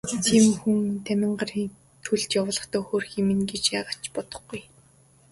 Тийм хүн Дамираныг төлд явуулахдаа хөөрхий минь гэж яагаад ч бодохгүй.